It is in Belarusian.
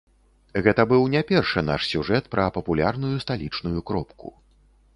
Гэта быў не першы наш сюжэт пра папулярную сталічную кропку.